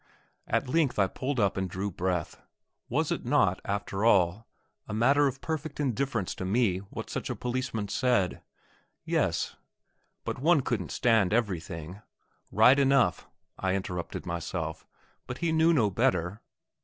At length I pulled up and drew breath. Was it not, after all, a matter of perfect indifference to me what such a policeman said? Yes; but one couldn't stand everything. Right enough, I interrupted myself; but he knew no better.